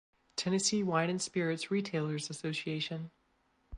Tennessee Wine and Spirits Retailers Assn.